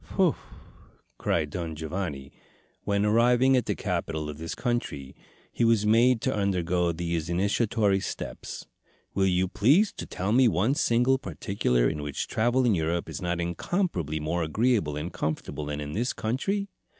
"Whew!" cried Don Giovanni when, arriving at the capital of this country, he was made to undergo these initiatory steps, "will you please to tell me one single particular in which travel in Europe is not incomparably more agreeable and comfortable than in this country?"